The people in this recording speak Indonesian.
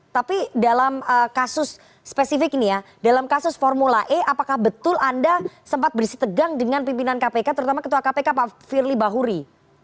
tapi dalam kasus spesifik ini ya dalam kasus formula e apakah betul anda sempat berisi tegang dengan pimpinan kpk terutama ketua kpk pak firly bahuri